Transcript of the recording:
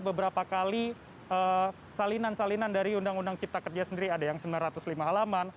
beberapa kali salinan salinan dari undang undang cipta kerja sendiri ada yang sembilan ratus lima halaman